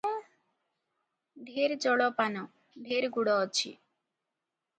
ଢେର ଜଳପାନ, ଢେର ଗୁଡ଼ ଅଛି